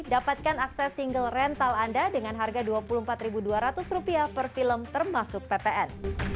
dapatkan akses single rental anda dengan harga rp dua puluh empat dua ratus per film termasuk ppn